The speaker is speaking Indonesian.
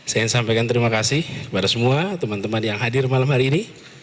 saya ingin sampaikan terima kasih kepada semua teman teman yang hadir malam hari ini